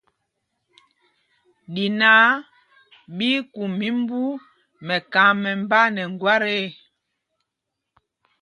Ɗí náǎ ɓí í kum mimbú mɛkam mɛmbá nɛ ŋgwát ê.